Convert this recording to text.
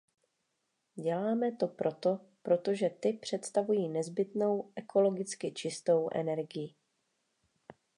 Děláme to proto, protože ty představují nezbytnou, ekologicky čistou energii.